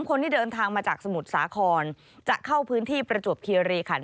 คนที่เดินทางมาจากสมุทรสาครจะเข้าพื้นที่ประจวบคีรีขัน